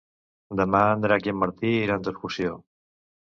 Demà en Drac i en Martí iran d'excursió.